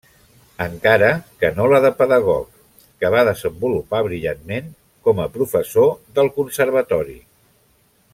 Encara que no la de pedagog, que va desenvolupar brillantment com a professor del conservatori.